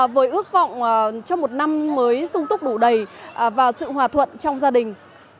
với ước vọng cho một năm mới sung túc đủ đầy và sự hòa thuận trong gia đình